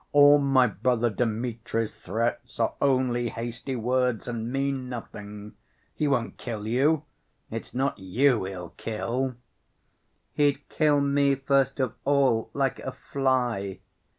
All my brother Dmitri's threats are only hasty words and mean nothing. He won't kill you; it's not you he'll kill!" "He'd kill me first of all, like a fly.